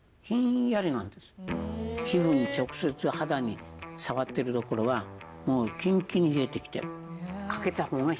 皮膚に直接肌に触ってるところはもうキンキンに冷えてきて。